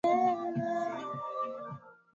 Mimi nipo shuleni